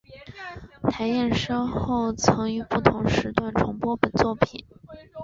台视稍后曾于不同时段重播本作品。